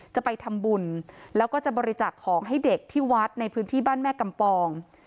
จะไปทำบุญแล้วก็จะบริจาคของให้เด็กที่วัดในพื้นที่บ้านแม่กำปอง